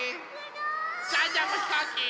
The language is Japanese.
ジャンジャンもひこうき！